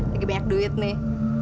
lagi banyak duit nih